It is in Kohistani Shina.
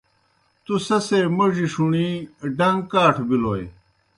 تُوْ سہ سے موْڙیْ ݜُݨِی ڈݩگ کاٹھوْ بِلوئے۔